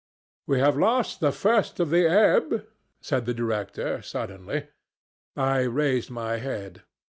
"We have lost the first of the ebb," said the Director, suddenly. I raised my head.